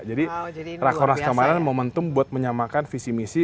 jadi rakyat horas kamaran momentum buat menyamakan visi misi